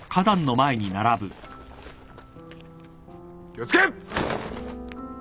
気を付け！